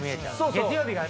月曜日が。